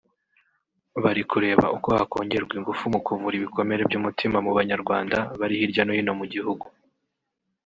bari kureba uko hakongerwa ingufu mu kuvura ibikomere by’umutima mu Banyarwanda bari hirya ni hino mu gihugu